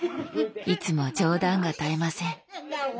いつも冗談が絶えません。